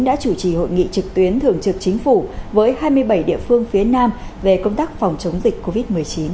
đã chủ trì hội nghị trực tuyến thường trực chính phủ với hai mươi bảy địa phương phía nam về công tác phòng chống dịch covid một mươi chín